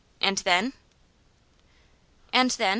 "And then?" "And then?"